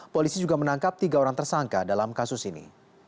polisi juga menangkap tiga orang tersangka dalam kasus ini